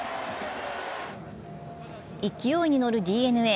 勢いに乗るＤｅＮＡ。